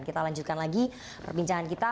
kita lanjutkan lagi perbincangan kita